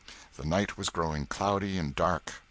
The night was growing cloudy and dark.